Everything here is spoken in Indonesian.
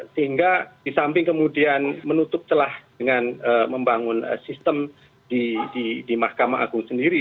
sehingga di samping kemudian menutup celah dengan membangun sistem di mahkamah agung sendiri